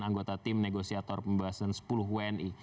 anggota tim negosiator pembahasan sepuluh wni